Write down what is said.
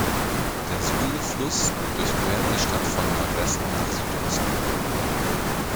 Der Sui-Fluss durchquert die Stadt von Nordwesten nach Südosten.